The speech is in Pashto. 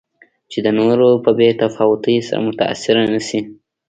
چې د نورو په بې تفاوتۍ سره متأثره نه شي.